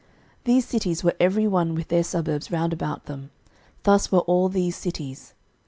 06:021:042 These cities were every one with their suburbs round about them: thus were all these cities.